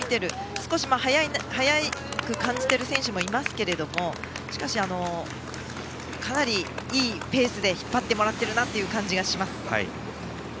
少し速く感じている選手もいますけれどもしかし、かなりいいペースで引っ張ってもらっている感じがします。